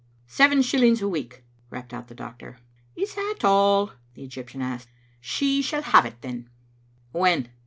" Seven shillings a week," rapped out the doctor. " Is that all?" the Egyptian asked. " She shall have it." "When?"